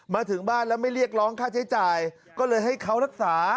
มาถึงบ้านแล้วไม่เรียกร้องค่าใช้จ่ายก็เลยให้เขารักษา